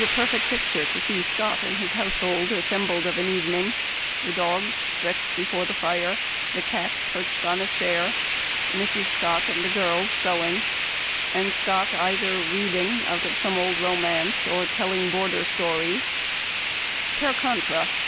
85 perfect picture to see Scott and his household assembled of an evening — the dogs stretched before the fire, the cat perched on a chair, Mrs. Scott and the girls sewing, and Scott either reading out of some old romance, or telling border storie Per Contra.